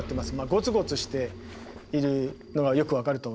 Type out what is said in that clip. ゴツゴツしているのがよく分かると思います。